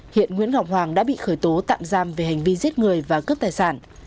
hiện nguyễn ngọc hoàng đã bị khởi tố tạm giam về hành vi giết người và cướp tài sản